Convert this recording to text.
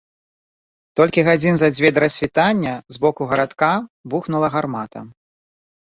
Толькі гадзін за дзве да рассвітання з боку гарадка бухнула гармата.